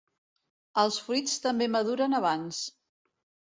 Els fruits també maduren abans.